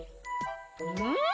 うん！